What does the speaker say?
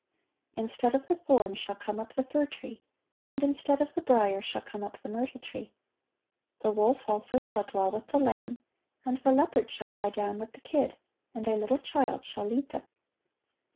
"Instead of the thorn shall come up the fir tree, and instead of the brier shall come up the myrtle tree."(1182) "The wolf also shall dwell with the lamb, and the leopard shall lie down with the kid; ... and a little child shall lead them."